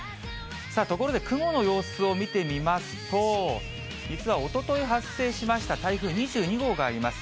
さあ、ところで雲の様子を見てみますと、実はおととい発生しました台風２２号があります。